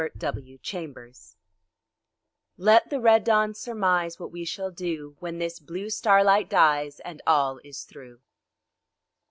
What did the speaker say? THE YELLOW SIGN "Let the red dawn surmise What we shall do, When this blue starlight dies And all is through."